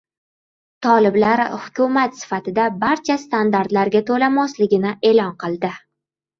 Toliblar hukumat sifatida barcha standartlarga to‘la mosligini e’lon qildi